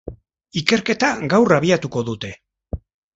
Ikerketa gaur abiatuko dute.